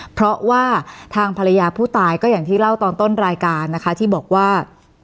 เพราะว่าทางภรรยาผู้ตายก็อย่างที่เล่าตอนต้นรายการนะคะที่บอกว่า